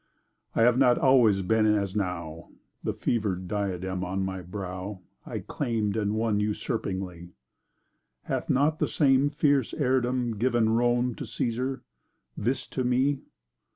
I have not always been as now: The fever'd diadem on my brow I claim'd and won usurpingly— Hath not the same fierce heirdom given Rome to the Caesar—this to me?